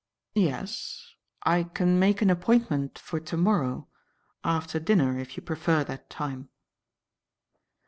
"Yes, I can make an appointment for to morrow, after dinner, if you prefer that time."